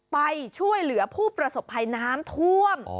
ไปช่วยเหลือผู้ประสบภัยน้ำท่วม